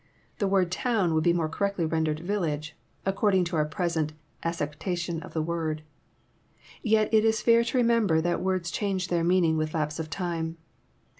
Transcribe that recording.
The word "town" would be more correctly rendered *' village,'* according to our present acceptation of the word. Tet it is fair to remember that words change their meaning with lapse of time.